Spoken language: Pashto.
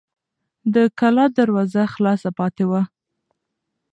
د کلا دروازه خلاصه پاتې وه.